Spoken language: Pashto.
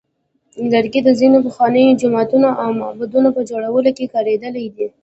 لرګي د ځینو پخوانیو جوماتونو او معبدونو په جوړولو کې کارېدلی دی.